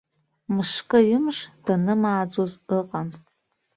Мышкы-ҩымш данымааӡоз ыҟан.